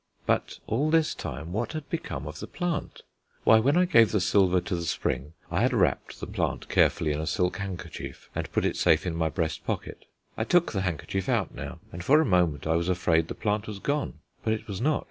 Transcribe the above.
But all this time what had become of the plant? Why, when I gave the silver to the spring I had wrapped the plant carefully in a silk handkerchief and put it safe in my breast pocket. I took the handkerchief out now, and for a moment I was afraid the plant was gone; but it was not.